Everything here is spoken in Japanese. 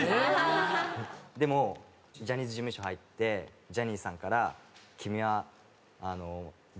でもジャニーズ事務所入ってジャニーさんから君は。